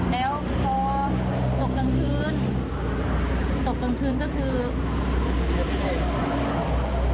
แล้วพอดกลงคืนโตกตรงคืนก็คือ